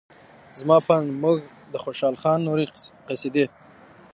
زما په اند موږ د خوشال خان نورې قصیدې